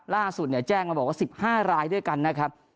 ล่าสุดแจ้งมาบอกว่า๑๕รายด้วยกันนะครับ